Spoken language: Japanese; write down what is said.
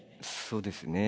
そうですね。